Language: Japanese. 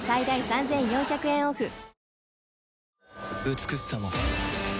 美しさも